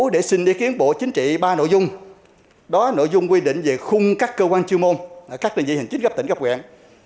đó là nội dung quy định về khung các cơ quan chư môn các đơn vị hành chính gấp tỉnh gấp quẹn